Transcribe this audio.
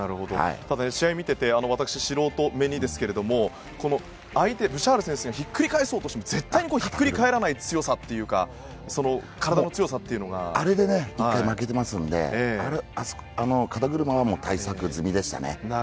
試合を見てて私、素人目にですけど相手、ブシャール選手ひっくり返そうとしても絶対にひっくり返らない強さというかあれで１回負けてますので肩車は対策済みでしたね。